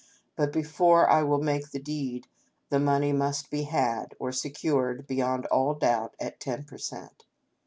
But before I will make a deed, the money must be had, or secured beyond all doubt at ten per cent.